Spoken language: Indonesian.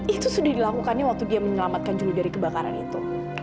itu sudah dilakukannya waktu dia menyelamatkan julu dari kebakaran itu